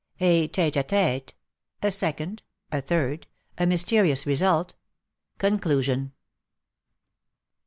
A TETE a TETE A SECOND A THIRD A MYSTERIOUS RESULT CONCLUSION.